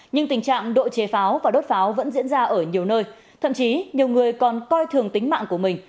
nhưng tình trạng độ chế pháo và đốt pháo vẫn diễn ra ở nhiều nơi thậm chí nhiều người còn coi thường tính mạng của mình